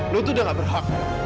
lo tuh udah gak berhak